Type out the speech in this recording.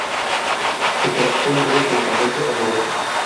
Se trata de un breve testamento amoroso.